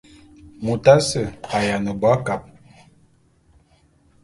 Mot asse a’ayiana bo akab.